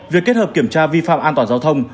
việc kết hợp kiểm tra vi phạm an toàn giao thông